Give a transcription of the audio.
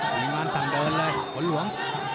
มีมันต่ำเดินเลยคนหลวง